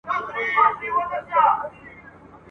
د پکتیکا زلزلې !.